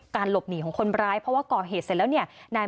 แล้วลุงเคยไปเตือนอีกไหม